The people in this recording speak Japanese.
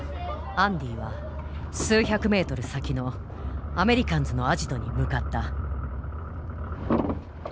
アンディは数百メートル先のアメリカンズのアジトに向かった。